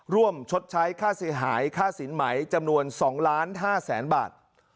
ชดใช้ค่าเสียหายค่าสินไหมจำนวน๒๕๐๐๐๐บาท